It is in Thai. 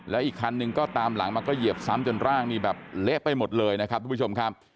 แล้วอีกคันหนึ่งก็ตามหลังมาก็เหยียบซ้ำจนร่างนี่แบบเละไปหมดเลยนะครับทุกผู้ชมครับ